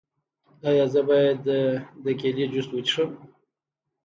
ایا زه باید د کیلي جوس وڅښم؟